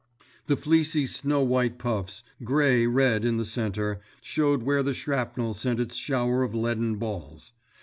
The fleecy snowy white puffs, gray red in the center, showed where the shrapnel sent its shower of leaden balls.